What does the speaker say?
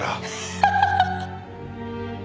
ハハハハ！